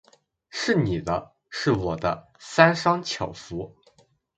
是你的；是我的，三商巧福。